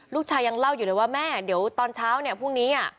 ยังเล่าอยู่เลยว่าแม่เดี๋ยวตอนเช้าเนี่ยพรุ่งนี้